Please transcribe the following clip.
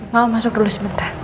mama masuk dulu sebentar